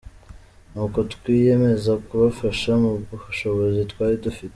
Ni uko twiyemeza kubafasha mu bushobozi twari dufite.